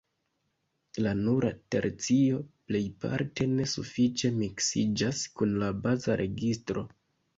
La nura tercio plejparte ne sufiĉe miksiĝas kun la baza registro.